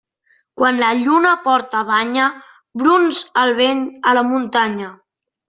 Quan la lluna porta banya, brunz el vent a la muntanya.